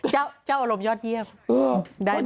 เจ้าอารมณ์ยอดเยี่ยม